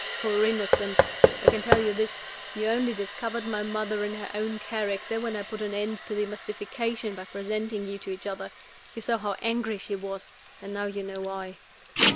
Poor innocent! I can tell you this you only discovered my mother in her own character when I put an end to the mystification by presenting you to each other. You saw how angry she was, and now you know why."